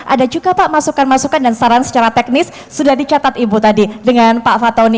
ada juga pak masukan masukan dan saran secara teknis sudah dicatat ibu tadi dengan pak fatoni